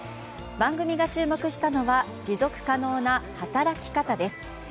番組が注目したのは持続可能な働き方です。